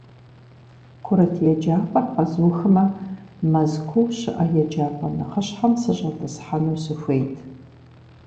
Курыт еджапӀэр къэзухмэ, Мэзкуу щыӀэ еджапӏэ нэхъыщхьэм сыщӏэтӏысхьэну сыхуейт.